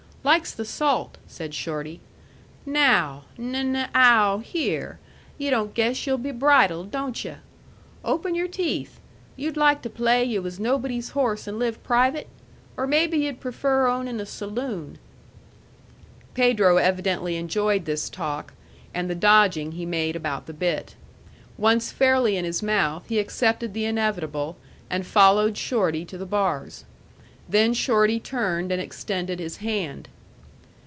"Likes the salt," said Shorty. "Now, n n ow, here! Yu' don't guess yu'll be bridled, don't you? Open your teeth! Yu'd like to play yu' was nobody's horse and live private? Or maybe yu'd prefer ownin' a saloon?" Pedro evidently enjoyed this talk, and the dodging he made about the bit. Once fairly in his mouth, he accepted the inevitable, and followed Shorty to the bars. Then Shorty turned and extended his hand.